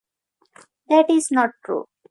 That is not true.